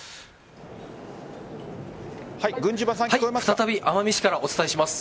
再び、奄美市からお伝えします。